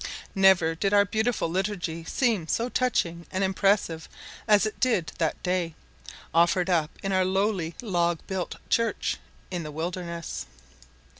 Never did our beautiful Liturgy seem so touching and impressive as it did that day, offered up in our lowly log built church in the wilderness.